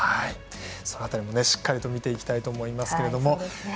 その辺りもしっかりと見ていきたいと思います。